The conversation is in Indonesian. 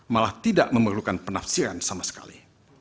malah tidak memerlukan penafsiran sama sekali